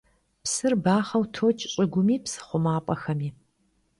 Psır baxheu toç' ş'ıgumi, psı xhumap'exemi.